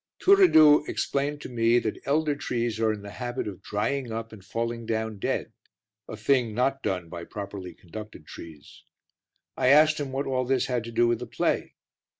Turiddu explained to me that elder trees are in the habit of drying up and falling down dead, a thing not done by properly conducted trees. I asked him what all this had to do with the play.